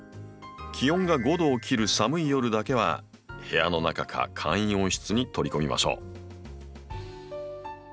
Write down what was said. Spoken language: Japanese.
気温が５℃を切る寒い夜だけは部屋の中か簡易温室に取り込みましょう。